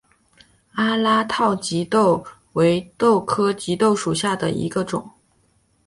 阿拉套棘豆为豆科棘豆属下的一个种。